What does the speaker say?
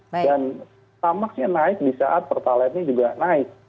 dan tamaknya naik di saat pertalatnya juga naik